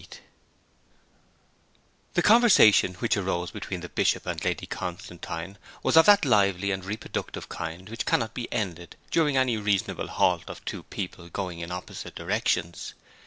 XXVIII The conversation which arose between the Bishop and Lady Constantine was of that lively and reproductive kind which cannot be ended during any reasonable halt of two people going in opposite directions.